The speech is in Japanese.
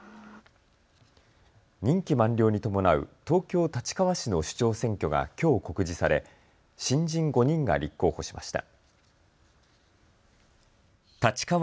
任期満了に伴う東京立川市の市長選挙がきょう告示され新人５人が立候補しました。